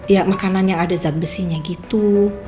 ya makanan yang ada zat besinya gitu